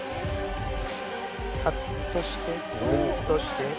ハッとしてギュッとして。